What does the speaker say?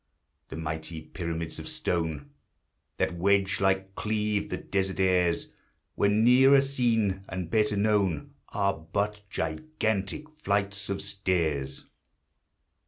The mighty pyramids of stone That wedge like cleave the desert airs, When nearer seen, and better known, Are but gigantic flights of stairs.